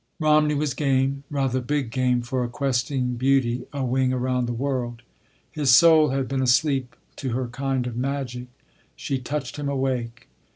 Romney was game, rather big game, for a questing beauty a wing around the world. His soul had been asleep to her kind of magic. She touched him awake.